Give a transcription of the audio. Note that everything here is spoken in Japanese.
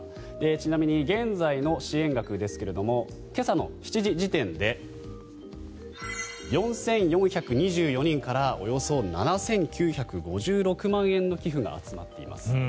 ちなみに現在の支援額ですが今朝の７時時点で４４２４人からおよそ７９５６万円の寄付が集まっています。